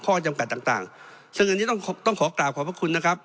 จำกัดต่างต่างซึ่งอันนี้ต้องต้องขอกราบขอบพระคุณนะครับ